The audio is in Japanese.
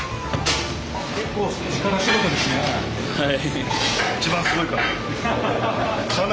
はい。